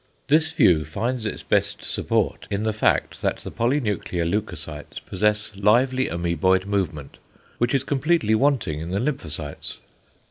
This view finds its best support in the fact that the polynuclear leucocytes possess lively amoeboid movement, which is completely wanting in the lymphocytes.